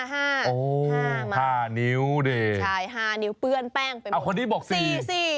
ห้ามากใช่ห้านิ้วเปื้อนแป้งไปหมดสี่คนนี้บอกสี่